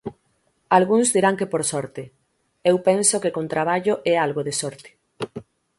Algúns dirán que por sorte, eu penso que con traballo e algo de sorte.